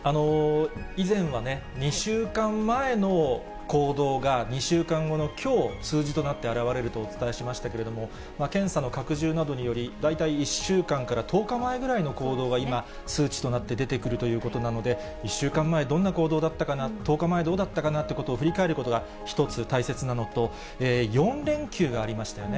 以前はね、２週間前の行動が、２週間後のきょう、数字となって表れるとお伝えしましたけれども、検査の拡充などにより、大体１週間から１０日前ぐらいの行動が今、数値となって出てくるということなので、１週間前、どんな行動だったかな、１０日前どうだったかなということを振り返ることが一つ大切なのと、４連休がありましたよね。